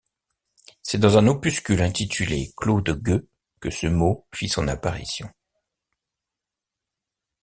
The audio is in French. C’est dans un opuscule intitulé Claude Gueux que ce mot fit son apparition.